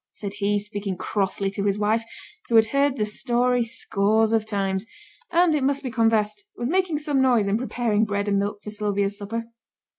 said he, speaking crossly to his wife, who had heard the story scores of times, and, it must be confessed, was making some noise in preparing bread and milk for Sylvia's supper.